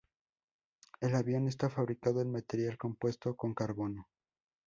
El avión está fabricado en material compuesto con carbono.